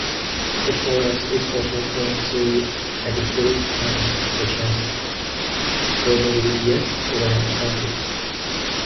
The forest is also home to epiphytic plants such as bromeliads and orchids.